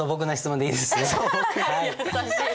優しい。